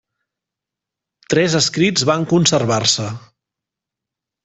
Tres escrits van conservar-se.